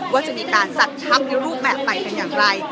ว่าจะมีการสัดชับและรูปแบบไปกันอย่างไร